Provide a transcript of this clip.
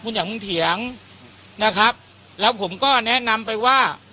อย่างมึงเถียงนะครับแล้วผมก็แนะนำไปว่า